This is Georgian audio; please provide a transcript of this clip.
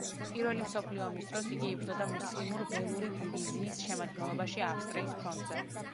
პირველი მსოფლიო ომის დროს, იგი იბრძოდა მუსლიმურ „ველური დივიზიის“ შემადგენლობაში, ავსტრიის ფრონტზე.